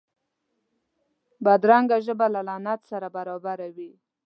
بدرنګه ژبه له لعنت سره برابره وي